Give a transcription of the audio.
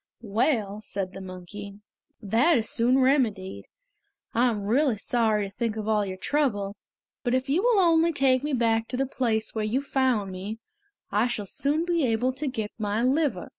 "Well," said the monkey, "that is soon remedied. I am really sorry to think of all your trouble; but if you will only take me back to the place where you found me, I shall soon be able to get my liver."